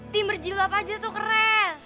tim berjiwab aja tuh keren